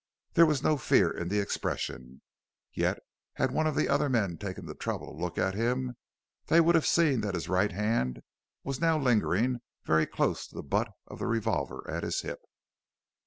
There was no fear in the expression, yet had one of the other men taken the trouble to look at him they would have seen that his right hand was now lingering very close to the butt of the revolver at his hip.